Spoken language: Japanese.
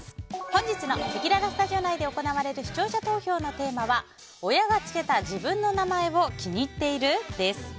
本日のせきららスタジオ内で行われる視聴者投票のテーマは親がつけた自分の名前を気に入っている？です。